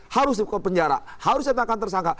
harus dikepunjara harus ditetapkan tersangka